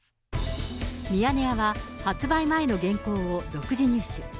ミヤネ屋は、発売前の原稿を独自入手。